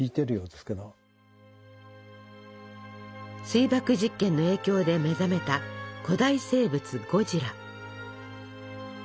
水爆実験の影響で目覚めた古代生物ゴジラ。